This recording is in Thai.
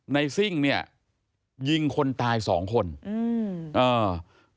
ซิ่งเนี่ยยิงคนตายสองคนอืมเออ